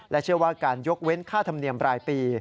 เชื่อว่าการยกเว้นค่าธรรมเนียมรายปี